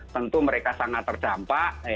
tentu mereka sangat terdampak